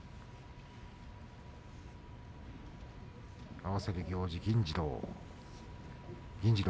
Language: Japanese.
合わせる行司は銀治郎。